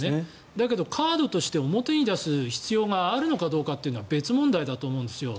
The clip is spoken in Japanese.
だけど、カードとして表に出す必要があるのかどうかというのは別問題だと思うんですよ。